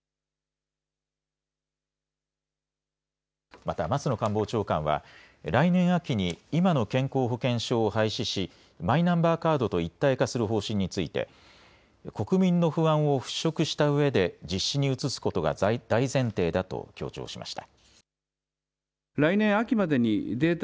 また松野官房長官は来年秋に今の健康保険証を廃止しマイナンバーカードと一体化する方針について国民の不安を払拭したうえで実施に移すことが大前提だと強調しました。